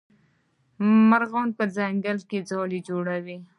مرغان په ځنګل کې ځالې جوړوي.